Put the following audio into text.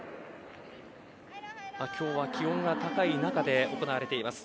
今日は、気温が高い中で行われています。